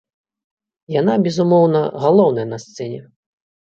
Яна, безумоўна, галоўная на сцэне.